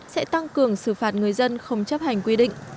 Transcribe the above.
sẽ tăng cường xử phạt người dân không chấp hành quy định